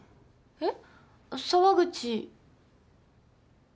えっ？